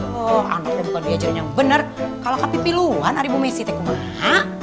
tuh anaknya bukan diajarin yang bener kalau ke pipi luan ari bu messi teh kumaha